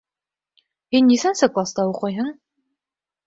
Һин нисәнсе класта уҡыйһың?